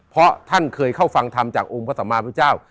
เพราะท่านเคยเข้าฟังธรรมจากองค์พระสัมมาพระเจ้า